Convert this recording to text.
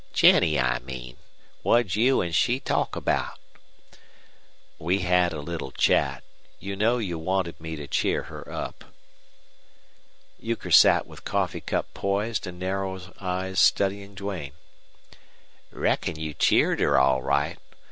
"Jennie, I mean. What'd you An' she talk about?" "We had a little chat. You know you wanted me to cheer her up." Euchre sat with coffee cup poised and narrow eyes studying Duane. "Reckon you cheered her, all right.